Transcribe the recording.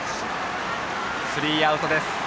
スリーアウトです。